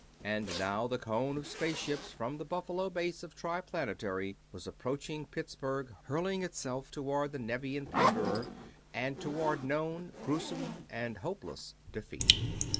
And now the cone of space ships from the Buffalo base of Triplanetary was approaching Pittsburgh hurling itself toward the Nevian plunderer and toward known, gruesome, and hopeless defeat.